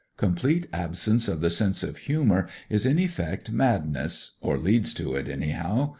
Complete absence of the sense of humour is in effect madness, or leads to it, anyhow.